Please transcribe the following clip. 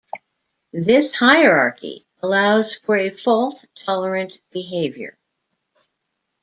This hierarchy allows for a fault tolerant behavior.